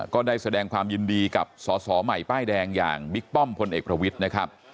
ก็ได้แสดงความยินดีกับสสใหม่ป้ายแดงอย่างบิ๊กป้อมพลเอกประวิทย์นะครับ